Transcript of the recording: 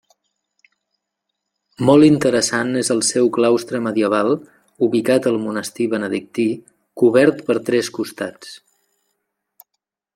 Molt interessant és el seu claustre medieval, ubicat al monestir benedictí, cobert per tres costats.